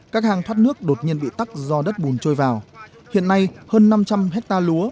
các hàng thoát nước đột nhiên bị tắt do đất bùn trôi vào hiện nay hơn năm trăm linh hectare lúa